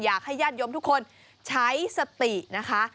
อยากให้ญาติโยมทุกคนใช้สตินะคะ